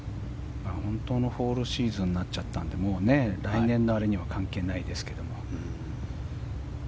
本当のフォールシーズンになっちゃったんで来年のあれには関係ないですけど。